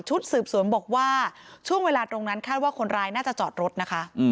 สืบสวนบอกว่าช่วงเวลาตรงนั้นคาดว่าคนร้ายน่าจะจอดรถนะคะ